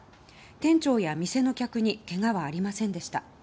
店長や店の客にけがはありませんでした。